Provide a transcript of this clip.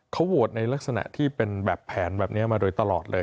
เขาโหวตในลักษณะที่เป็นแบบแผนแบบนี้มาโดยตลอดเลย